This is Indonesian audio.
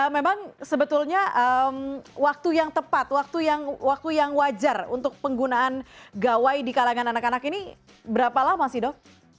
memang sebetulnya waktu yang tepat waktu yang wajar untuk penggunaan gawai di kalangan anak anak ini berapa lama sih dok